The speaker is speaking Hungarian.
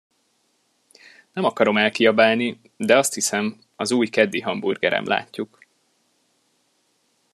Nem akarom elkiabálni, de azt hiszem, az új keddi hamburgerem látjuk.